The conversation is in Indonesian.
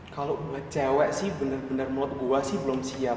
kalo buat cewek sih bener bener menurut gue sih belum siap